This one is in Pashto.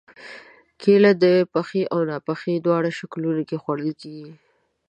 کېله د پخې او ناپخې دواړو شکلونو کې خوړل کېږي.